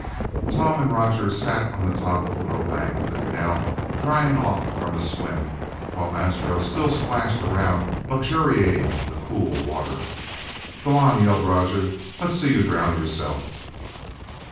Tom and Roger sat on the top of the low bank of the canal drying off from a swim, while Astro still splashed around luxuriating in the cool water. "Go on," yelled Roger, "let's see you drown yourself!"